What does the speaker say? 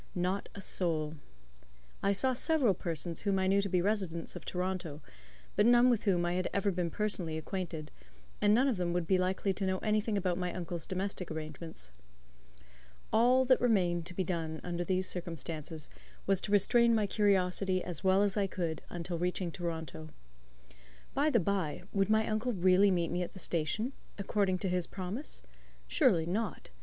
Not a soul. I saw several persons whom I knew to be residents of Toronto, but none with whom I had ever been personally acquainted, and none of them would be likely to know anything about my uncle's domestic arrangements. All that remained to be done under these circumstances was to restrain my curiosity as well as I could until reaching Toronto. By the by, would my uncle really meet me at the station, according to his promise? Surely not.